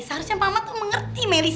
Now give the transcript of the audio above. seharusnya mama tuh mengerti meli